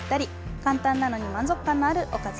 簡単なのに満足感のあるおかずです。